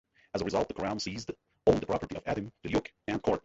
As a result, the Crown seized all the Property of Adam Jellicoe and Cort.